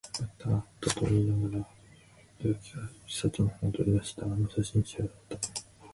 よかった、あったと言いながら、君は生垣から一冊の本を取り出した。あの写真集だった。